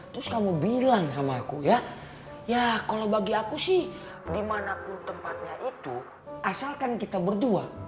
terus kamu bilang sama aku ya ya kalau bagi aku sih dimanapun tempatnya itu asalkan kita berdua